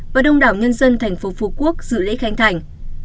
và đông đảo nhân dân thành phố phú quốc dự lễ khánh thành